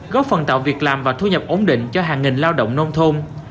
góp phần tạo việc làm và thu nhập ổn định cho hàng nghìn lao động nông thôn